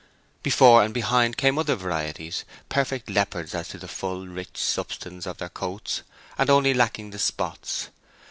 Before and behind came other varieties, perfect leopards as to the full rich substance of their coats, and only lacking the spots.